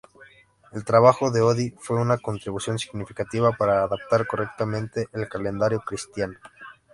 El trabajo de Oddi fue una contribución significativa para adaptar correctamente el calendario cristiano.